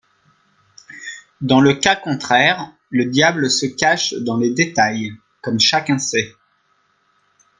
Dans le cas contraire, le diable se cache dans les détails, comme chacun sait.